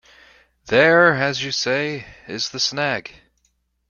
There, as you say, is the snag.